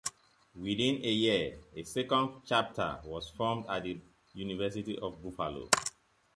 Within a year, a second chapter was formed at University at Buffalo.